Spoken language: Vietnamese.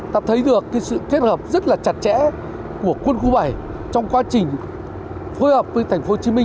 ta thấy được sự kết hợp rất là chặt chẽ của quân khu bảy trong quá trình phối hợp với tp hcm